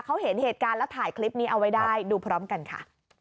เขาเห็นเหตุการณ์แล้วถ่ายคลิปนี้เอาไว้ได้ดูพร้อมกันค่ะ